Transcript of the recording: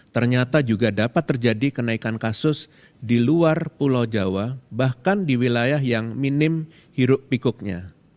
ternyata juga dapat terjadi kenaikan kasus di luar pulau jawa bahkan di wilayah yang minim hiruk pikuknya